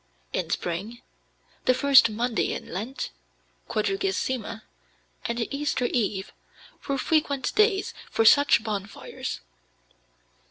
In spring, the first Monday in Lent (Quadrigesima) and Easter Eve were frequent days for such bonfires.